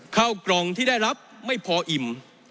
ข้าวกล่องที่ได้รับไม่พออิ่ม